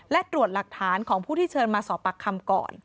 และตรวจหลักฐานของผู้ที่เชิญมาสอบปากคำก่อน